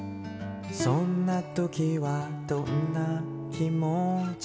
「そんな時はどんな気もち？」